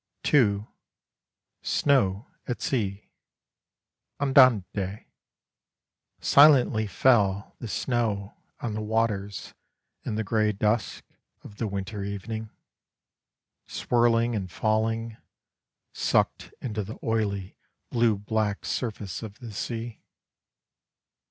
(2) SNOW AT SEA Andante. Silently fell The snow on the waters In the grey dusk Of the winter evening: Swirling and falling, Sucked into the oily Blue black surface Of the sea.